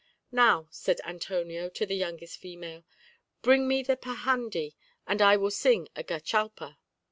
"Now," said Antonio to the youngest female, "bring me the pajandi, and I will sing a gachapla."